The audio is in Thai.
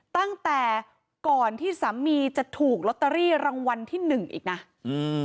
ตั้งแต่ก่อนที่สามีจะถูกลอตเตอรี่รางวัลที่หนึ่งอีกนะอืม